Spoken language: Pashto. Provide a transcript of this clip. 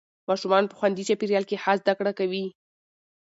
ماشومان په خوندي چاپېریال کې ښه زده کړه کوي